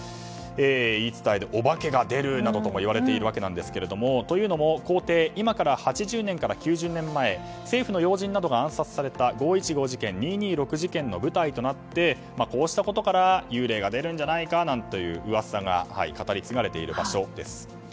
言い伝えで、お化けが出るなどとも言われているわけですがというのも、公邸今から８０年から９０年前政府の要人などが暗殺された五・一五事件二・二六事件の舞台となってこうしたことから幽霊が出るんじゃないかという噂が語り継がれている場所です。